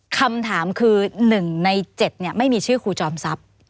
คำถามคือ๑ใน๗ไม่มีชื่อครูจอมทรัพย์